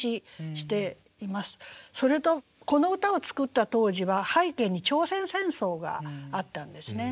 それとこの歌を作った当時は背景に朝鮮戦争があったんですね。